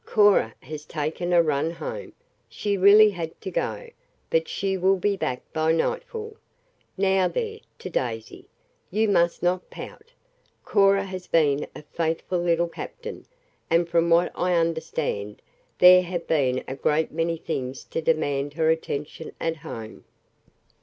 Cora has taken a run home she really had to go, but she will be back by nightfall. Now, there," to Daisy, "you must not pout. Cora has been a faithful little captain, and, from what I understand, there have been a great many things to demand her attention at home.